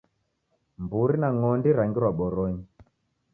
Mburi na ng'ondi rangirwa boronyi